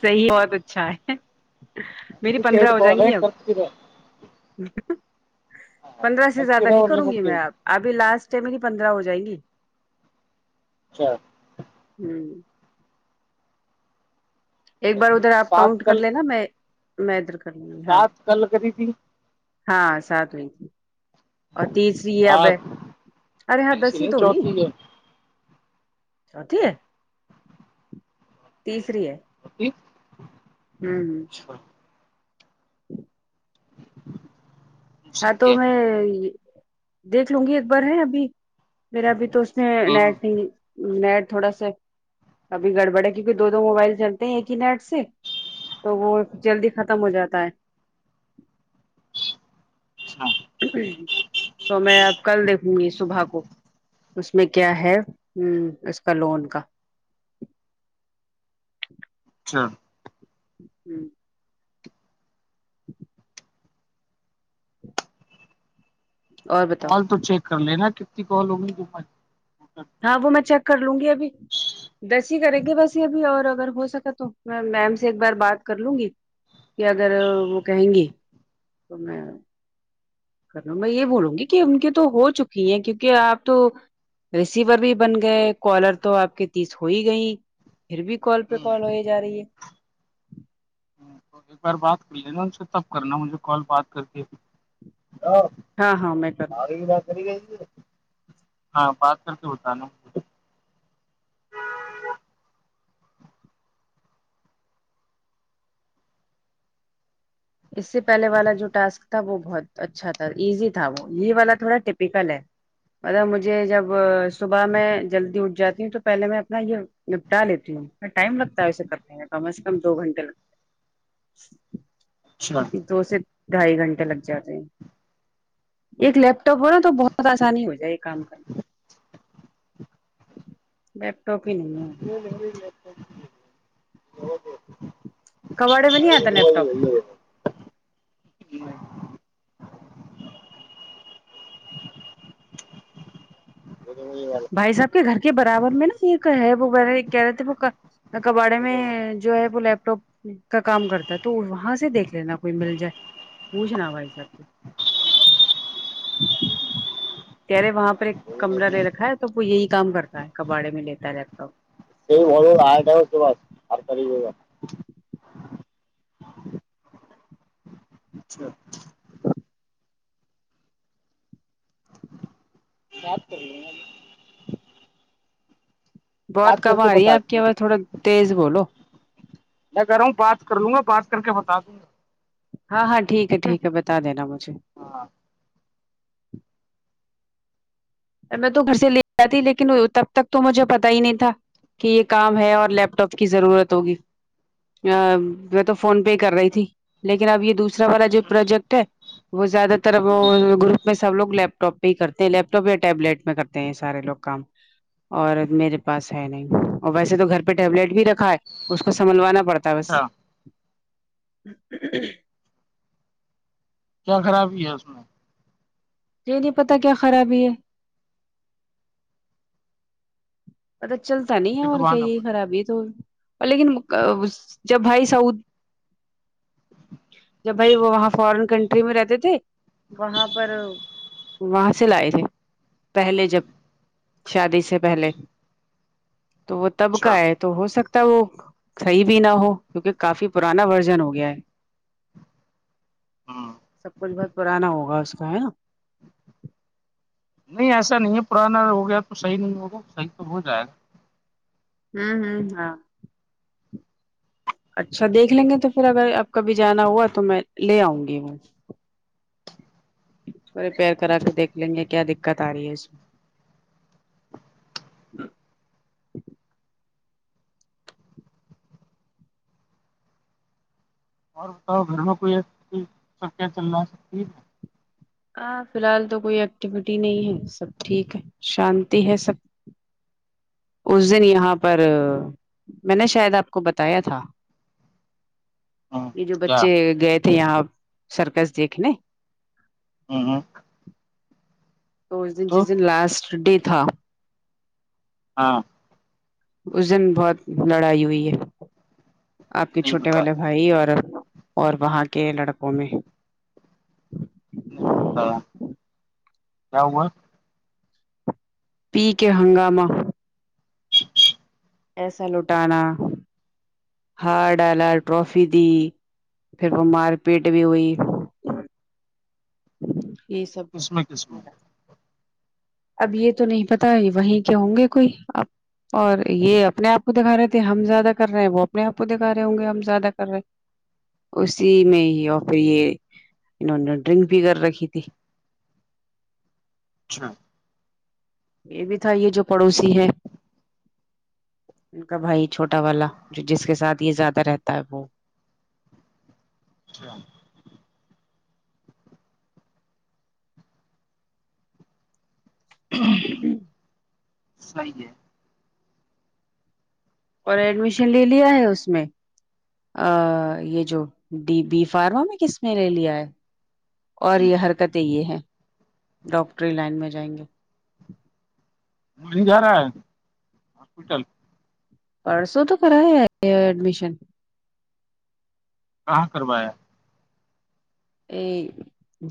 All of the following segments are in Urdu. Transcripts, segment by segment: صحیح ہے بہت اچھا ہے میری پندرہ ہو جائیں گی اب پندرہ سے زیادہ نہیں کروں گی میں آپ ابھی لاسٹ ہے میری پندرہ ہو جائیں گی اچھا ہمم ایک بار صحیح ہے ادھر آپ سات کاؤنٹ کر لینا میں میں ادھر کر کرلونگی ساتھ کل کری تھی ہاں ساتھ میں ہی تھی اور تیسری اب ہے سات ارے ہاں تیسری دسی ہے تو ہوئی چوتھی ہے چوتھی ہے تیسری ہے اوکے ہمم ہاں تو میں دیکھ لوں گی ایک بار ہے ابھی میرا اب تو اس نے ہاں نیٹ نہیں نیٹ تھوڑا سا ابھی گڑبڑ ہے کیونکی دو دو موبائل چلتے ہیں ایک ہی نیٹ سے تو وہ جلدی ختم ہو جاتا ہے اچاں تو میں اب کل دیکھوں گی صبح کو اس میں کیا ہے ہمم اس کا لون کا اچھا ہمم اور بتاؤ کال تو چیک کر لینا کتنی کال ہوگی تو ہاں وہ میں چیک کر لوں گی ابھی دسی ہی کریں گے بس یے ابھی اور اگر ہو سکا تو میں میم سے ایک بار بات کر لوں گی کہ اگر وہ کہیں گی تو میں کر لو میں یے بولوں گی کی ان کے تو ہو چکی ہیں کیونکہ آپ تو ریسیور بھی بن گئے کالر تو آپ کے تیس ہو ہی گئی پھر بھی کال پے ہوں کال ہو ہی جا رہی ہے تو ایک بار بات کر لینا ان سے تب کرنا مجھے کال بات کر کے ہاں ہاں میں کر ساری ہاں بات کر کے بتانا اس سے پہلے والا جو ٹاسک تھا وہ بہت اچھا تھا ایزی تھا وہ یے والا تھوڑا ٹپیکل ہے مطلب مجھے جب صبح میں جلدی اٹھ جاتی ہوں تو پہلے میں اپنا یے نپٹا لیتی ہوں ٹائم لگتا ہے ویسے کرنے میں کم از کم دو گھنٹے لگتے چھی بات دو سے ڈھائی گھنٹے لگ جاتے ہیں ایک لیپ ٹاپ ہو نا تو بہت آسانی ہو جائے گی کام کرنے لیپ ٹاپ ہی نہیں ہے کباڑے میں نہیں آتا لیپ ٹاپ [inaudible] [unintelligible] بھائی صاحب کے گھر کے برابر میں نا ایک ہے وو کہہ رہے تھے کباڑے میں جو ہے وہ لیپ ٹاپ کا کام کرتے تو وہاں سے دیکھ لینا کوئی مل جائے پوچھنا بھائی صاحب سے کہہ رہے وہاں پر ایک کمرہ لے رکھا ہے تو وہ یہی کام کرتا ہے کباڑے میں لیتا ہے لیپ ٹاپ [unintelligible] اچھا بات کر لینا جی گا بہت بات کر کم کے آ رہی ہے بتا آپ کی دوں آواز گا تھوڑا تیز بولو میں کہہ رہا ہوں پانچ کر لوں گا پانچ کر کے بتا دوں گا ہاں ہاں ٹھیک ہے ٹھیک ہے بتا دینا مجھے ہاں میں تو گھر سے لے آتی تھی لیکن تب تک تو مجھے پتا ہی نہیں تھا کہ یہ کام ہے اور لیپ ٹاپ کی ضرورت ہوگی ا میں تو فون پے کر رہی تھی لیکن اب یہ دوسری والا جو پروجیکٹ ہے وہ زیادہ تر وہ گروپ میں سب لوگ لیپٹاپ پہ ہی کرتے ہیں لیپ ٹاپ یا ٹیبلیٹ میں کرتے ہیں سارے لوگ کام اور میرے پاس ہے نہیں اور ویسے تو گھر پہ ٹیبلیٹ بھی رکھا ہے اس کو سنبھلوانا پڑ تا بس اچھا کیا خرابی ہے اس میں یہی نہیں پتا کیا خرابی ہے پت چلتا نہیں ہے اور کیا دکھوانا یہ پڑ خرابی تو لیکن اس جب بھائی سعود جب بھائی وہ وہاں فارن کنٹری میں رہتے تھے وہاں پر وہاں سے لائے تھے پہلے جب شادی سے پہلے تو وہ تب کا اچھا ہے تو ہو سک تا وہ صیح بھی نہ ہو کیونکہ کافی پرانا ورژن ہو گیا ہے ہ سب کچھ بہت پرانا ہوگا اس کا ہے نا نہیں ایسا نہیں ہے پرانا ہو گیا تو صحیح نہیں ہوگا صحیح تو ہو جائے گا ہوں ہ ہاں اچھا دیکھ لیں گے تو پھر اگر آپ کبھی جانا ہوا تو میں لے آؤں گی وہ ریپیئر کرا کے دیکھ لیں گے کیا دقت آ رہی ہے اس میں اور بتاؤ گھر میں کوئی [unintelligible] ہاں فی الحال تو کوئی ایکٹیویٹی نہیں ہے سب ٹھیک ہے شانتی ہے سب اس دن یہاں پر میں نے شاید آپ کو بتایا تھا ہے ہ یہ جو کیا بچے گئے تھے یہاں سرکس دیکھنے ہوں ہوں تو اس دن جس دن لاسٹ ڈے تھا ہاں اس دن بہت لڑائی ہوئی ہے آپ کے نہیں چھوٹے والے بتایا بھا بھائی اور اور وہاں کے لڑکوں میں کیا ہوا پی کے ہنگامہ ایسا لٹانا ہار ڈالا ٹرافی دی پھر وہ مار پیٹ بھی ہوئی یہ سب کس میں کس ہو میں رہا اب یہ تو نہیں پتا وہیں کے ہوں گے کوئی اپ اور یہ اپنے آپ کو دکھا رہے تھے ہم زیادہ کر رہے ہیں وہ اپنے آپ کو دکھا رہے ہوں گے ہم زیادہ کر رہے اسی میں ہی اور پھر یہ انہوں نے ڈرنک بھی کر رکھی تھی اچھا یہ بھی تھا یہ جو پڑوسی ہے ان کا بھائی چھوٹا والا جو جس کے ساتھ یہ زیادہ رہتا ہے وہ اچھا [inaudible] صحیح ہے اور ایڈمیشن لے لیا ہے اس میں ا یہ جو ڈ بی فارما میں کس نے لے لیا ہے اور یہ حرکتیں یہ ہے ڈاکٹری لائن میں جائیں گے وہ نی جا رہا ہے ہاسپٹل پرسوں تو کرایا ہے یہ ایڈمیشن کہاں کروایا اے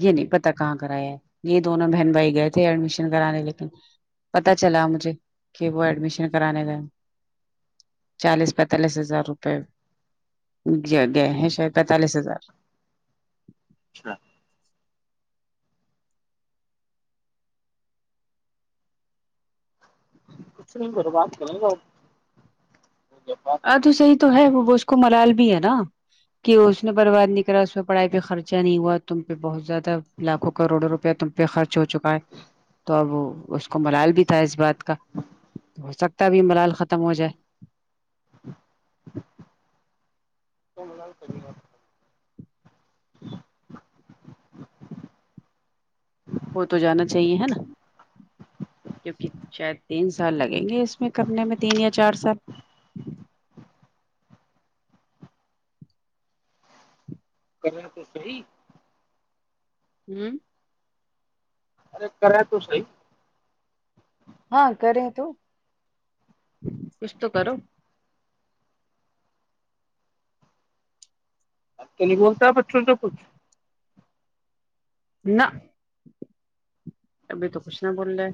یہ نہیں پتا کہاں کرا ہے یہ دونوں بہن بھائی گئے تھے ایڈمیشن کرانے لیکن پتا چلا مجھے کہ وہ ایڈمیشن کرانے گئے چالیس پینتالیس ہزار روپئے جگ ہے شاید پینتالیس ہزار اچھا کچھ نہیں کرو بات کرو نا بات ہاں تو صحیح تو ہے وہ وہ اس کو ملال بھی ہے نا کہ اس نے برباد نہیں کرا اس میں پڑھائی پہ خرچہ نہیں ہوا تم پہ بہت زیادہ لاکھوں کروڑوں روپئے پ تم پہ خرچ ہو چکا ہے تو اب اس کو ملال بھی تھا اس بات کا ہو سکتا ہے آب یہ ملال ختم ہو جائے تو ملال [unintelligible] [inaudible] ہو تو جانا چاہیے ہے نا کیونکہ شاید تین سال لگیں گے اس میں کرنے میں تین یا چار سال کریں تو صحیح ہوں ارے کرے تو صحیح ہاں کریں تو کچھ تو کرو میں نہیں بولتا بچوں سے کچھ نہ ابھی تو کچھ نہ بولنا ہے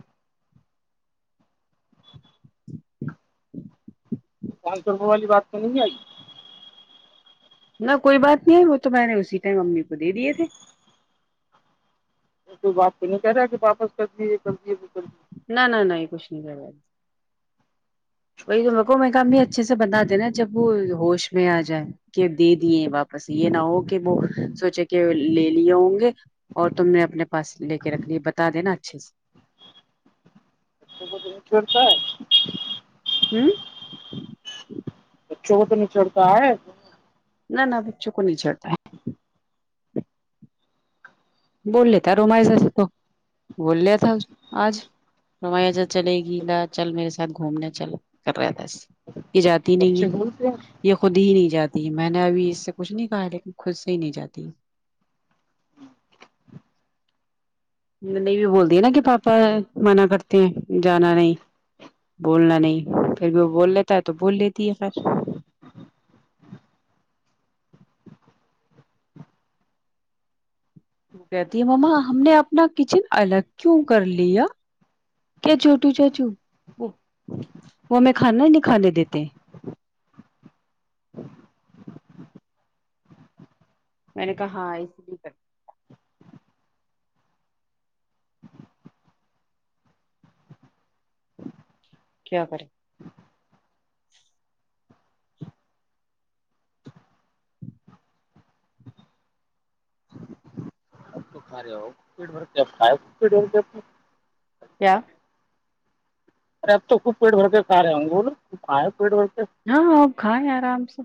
پانچ سو روپے والی بات نہیں آئی نہ کوئی بات نہیں ہے وہ تو میں نے اسی ٹائم امی کو دے دیے تھے تو آپ نہیں کہہ رہاے کہ واپس کر دیے یہ کر دییے وہ کر دیے نہ نہ نہ یہ کچھ نہیں کرای وہی تو میں مںیک بھی اچھے سے بتا دینا جب وہ ہوش میں آ جائے کہ دے دیے واپس یہ نہ ہو کہ وہ سوچے کہ لے لیے ہوں گے اور تم نے اپنے پاس لے کے رکھ لیے بتا دینا اچھے سے بچوں کو چھوڑتا ہے ہوں بچوں کو تو نہیں چھوڑتا ہے نہ نہ بچوں کو نہیں چڑھتا ہے بول لیتا ہیں رومائس سے تو بول لیا تھا آج رومیسا چلے گی لا چل میرے ساتھ گھومنے چل کر رہا تھا اج یہ جاتی نہیں بچے ہے بولتے ہیں یہ خود ہی نہیں جاتی میں نے ابھی اس سے کچھ نہیں کہا لیکن خود سے ہی نہیں جاتی نہیں بھی بول دیا ہے نہ کہ پاپا منع کرتے ہیں جانا نہیں بولنا نہیں پھر بھی وہ بول لیتا ہے تو بول لیتی ہے پھر وہ کہتی ہے مما ہم نے اپنا کچن الگ کیوں کر لیا کیا چوٹو چاچو وہ ہمیں کھانا ہی نہیں کھانے دیتے میں نے کہا ہاں اس لیے کر کیا کریں ہیلو جب [unintelligible] رہے جب کیا ارے اب تو خود پیٹ بھر کے کہا رہے ہو بولو کھائے پیٹ بھر کے ہاں اب کھائے آرام سے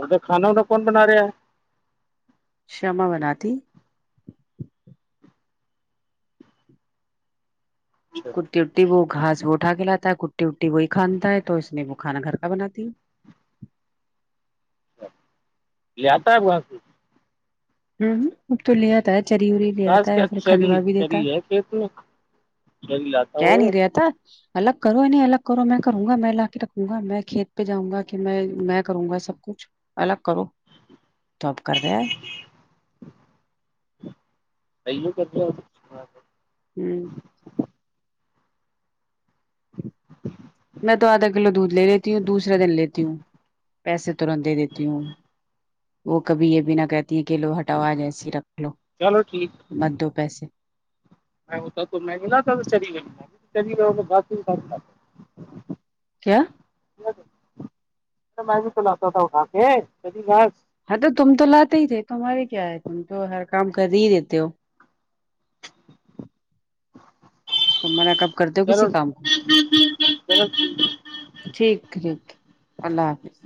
ا تو کھانا ونا کو بنا رہے ہیں شما بناتی ہے کٹی اٹٹی وہ گاس وہ اٹا کے لاتا ہے کٹی وٹی وہی کھانا ہے تو اس نے وہ کھانا گھر کا بناتی ہے لے آتا ہے وہاں سے ہ اب تو لے آتا ہے چری اریی د آتا خاص ہے یا کیا پھر چری کھندوا بھی دیتا چری ہے کھیت میں چری لاتا جے ہو نہیں رہتا الگ کرو انہیں الگ کرو میں کروں گا میں لا کے رکھوں گا میں کھیت پہ جاؤں گا کہ میں میں کروں گا سب کچھ الگ کرو تو اب کر رہے ہے پہو کر ہو [unintelligible] ہوں میں تو آدھا کلو دودھ لے لیتی ہوں دوسرا دن لیتی ہوں پیسے ترنت دے دیتی ہوں وہ کبھی یہ بھی نہ کہتی ہیں کہ لو ہٹاوآج ایسی رکھ لو چلو ٹھیک مت دو پیسے نہیں تو مہنگا تھا چلی م چ [unintelligible] کیا میں بھی کلاتا تھا اٹھا کے ہری گھانس ہاں تو تم تو لاتے ہی تھے تمہارے کیا ہے تم تو ہر کام کر ہی دیتے ہو تم مانا کب کرتے ہو کسی چلو کام کو چلو ٹھیک ٹھیک اللہ حافظ